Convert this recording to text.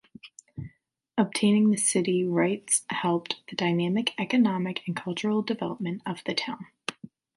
Obtaining the city rights helped the dynamic economic and cultural development of the town.